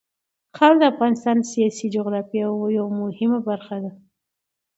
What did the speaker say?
خاوره د افغانستان د سیاسي جغرافیه یوه مهمه برخه ده.